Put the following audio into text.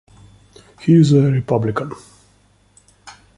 He is a Republican.